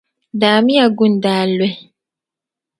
Daami ya goondaa n-luhi.